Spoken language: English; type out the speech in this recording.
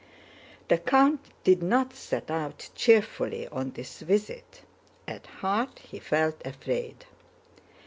The count did not set out cheerfully on this visit, at heart he felt afraid.